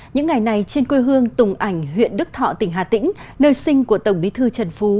những ngày này trên quê hương tùng ảnh huyện đức thọ tỉnh hà tĩnh nơi sinh của tổng bí thư trần phú